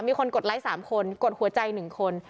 มีคนกดไลค์๓คนกดหัวใจ๑คน